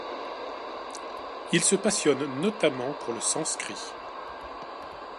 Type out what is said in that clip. Il se passionne notamment pour le sanskrit.